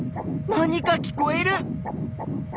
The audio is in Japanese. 何か聞こえる！